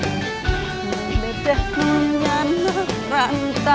membedah dengan rantan